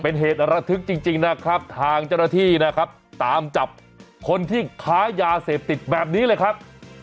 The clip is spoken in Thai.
เป็นเหตุระทึกจริงนะครับทางเจ้าหน้าที่นะครับตามจับคนที่ค้ายาเสพติดแบบนี้เลยครับ